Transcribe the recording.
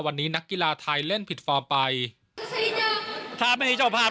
วันนี้นักกีฬาไทยเล่นผิดฟอร์มไปซึ่งถ้าไม่ใช่เจ้าภาพ